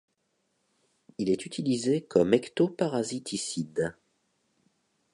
Il est utilisé comme ectoparasiticide.